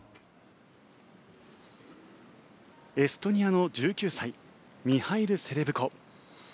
エストニアの１９歳ミハイル・セレブコ。